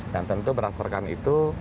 dan tentu berdasarkan itu